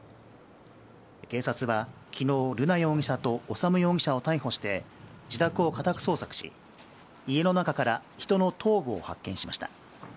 警察はきのう、瑠奈容疑者と修容疑者を逮捕して、自宅を家宅捜索し、家の中から人の頭部を発見しました。